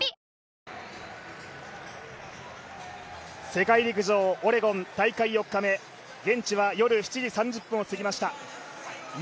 世界陸上オレゴン大会４日目現地は夜７時３０分を過ぎました。